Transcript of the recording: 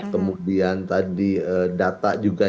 kemudian data juga